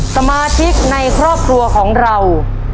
สมาชิกในครอบครัวของเรา